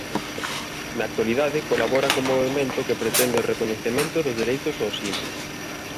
Na actualidade colabora co movemento que pretende o recoñecemento dos dereitos aos simios.